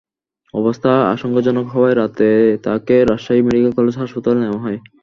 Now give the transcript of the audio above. অবস্থা আশঙ্কাজনক হওয়ায় রাতেই তাঁকে রাজশাহী মেডিকেল কলেজ হাসপাতালে নেওয়া হয়।